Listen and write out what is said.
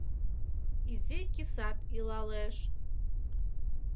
Изи кисат илалеш;